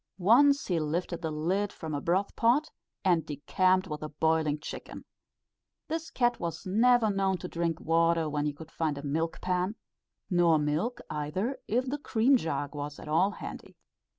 Once he lifted the lid from a broth pot, and decamped with the boiling chicken. This cat was never known to drink water when he could find a milk pan; nor milk, either, if the cream jug was at all handy.